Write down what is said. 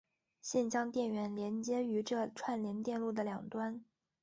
现将电源连接于这串联电路的两端。